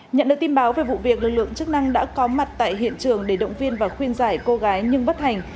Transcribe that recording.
nhận được tin báo về vụ việc lực lượng chức năng đã có mặt tại hiện trường để động viên và khuyên giải cô gái nhưng bất hành